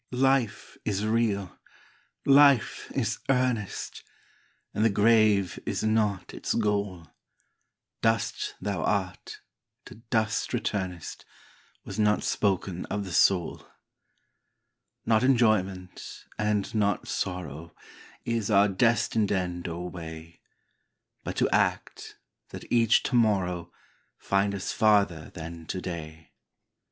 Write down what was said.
Life is real ! Life is earnest ! And the grave is not its goal ; Dust thou art, to dust returnest, Was not spoken of the soul. VOICES OF THE NIGHT. Not enjoyment, and not sorrow, Is our destined end or way ; But to act, that each to morrow Find us farther than to day.